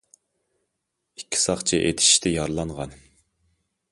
ئىككى ساقچى ئېتىشىشتا يارىلانغان.